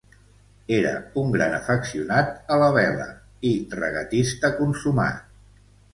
Era un gran afeccionat a la vela i regatista consumat.